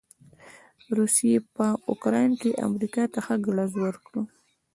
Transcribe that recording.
روسې په يوکراين کې امریکا ته ښه ګړز ورکړ.